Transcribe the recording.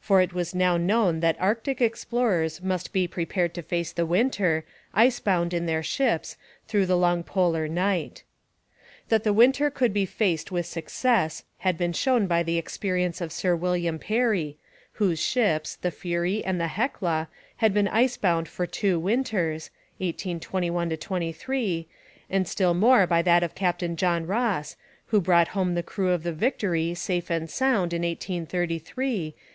For it was now known that Arctic explorers must be prepared to face the winter, icebound in their ships through the long polar night. That the winter could be faced with success had been shown by the experience of Sir William Parry, whose ships, the Fury and the Hecla, had been ice bound for two winters (1821 23), and still more by that of Captain John Ross, who brought home the crew of the Victory safe and sound in 1833, after four winters in the ice.